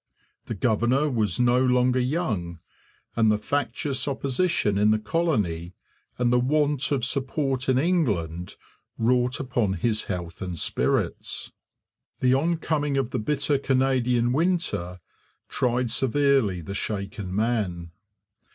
The governor was no longer young, and the factious opposition in the colony and the want of support in England wrought upon his health and spirits. The oncoming of the bitter Canadian winter tried severely the shaken man.